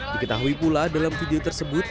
diketahui pula dalam video tersebut